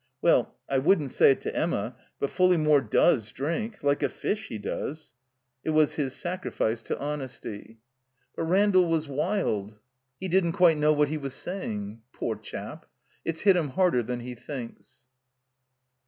"Well— I wouldn't say it to Emma, but FuUey more does drink. Like a fish he does." (It was his sacrifice to honesty.) 273 it THE COMBINED MAZE "But Randall was wild. He didn't quite know what he was saying. Poor chap ! It's hit him harder than he thinks."